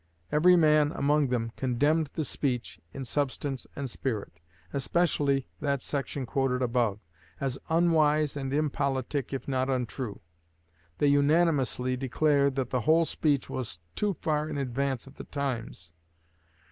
Every man among them condemned the speech in substance and spirit, especially that section quoted above, as unwise and impolitic if not untrue. They unanimously declared that the whole speech was too far in advance of the times.